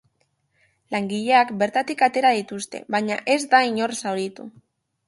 Langileak bertatik atera dituzte, baina ez da inor zauritu.